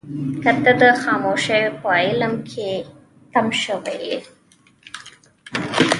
که ته د خاموشۍ په عالم کې تم شوې يې.